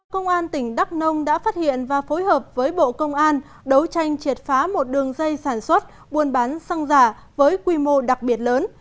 công an tỉnh đắk nông đã phát hiện và phối hợp với bộ công an đấu tranh triệt phá một đường dây sản xuất buôn bán xăng giả với quy mô đặc biệt lớn